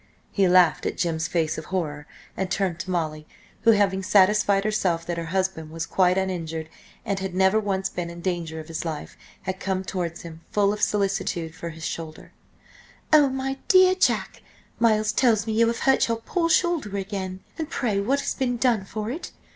He laughed at Jim's face of horror, and turned to Molly, who, having satisfied herself that her husband was quite uninjured and had never once been in danger of his life, had come towards him, full of solicitude for his shoulder "Oh, my dear Jack! Miles tells me you have hurt your poor shoulder again! And pray what has been done for it?